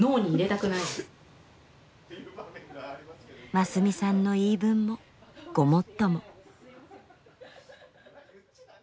真寿美さんの言い分もごもっとも。